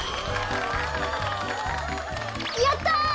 やった！